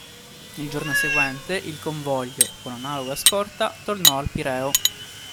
Il giorno seguente il convoglio, con analoga scorta, tornò al Pireo.